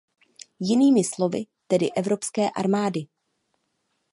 Jinými slovy tedy Evropské armády.